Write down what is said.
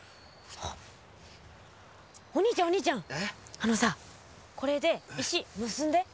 あのさこれで石結んで。